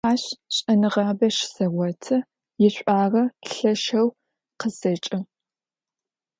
Aş ş'enığabe şıseğotı, yiş'uağe lheşşeu khıseç'ı.